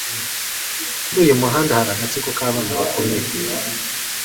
Kuri uyu muhanda hari agatsiko k'abana bakomeye